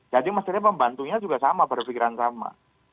jadi mestinya pembantunya juga sama berpikiran sama